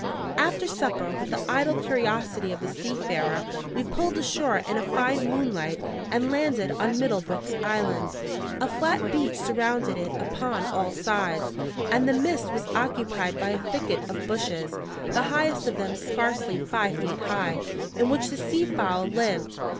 After supper, with the idle curiosity of the seafarer, we pulled ashore in a fine moonlight, and landed on Middle Brook's Island. A flat beach surrounded it upon all sides; and the midst was occupied by a thicket of bushes, the highest of them scarcely five feet high, in which the sea fowl lived.